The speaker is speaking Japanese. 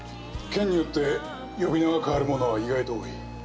県によって呼び名が変わるものは意外と多い。